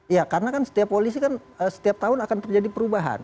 ya karena kan setiap polisi kan setiap tahun akan terjadi perubahan